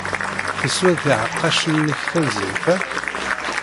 Teswid tiɛeqqacin-nnek tanezzayt-a?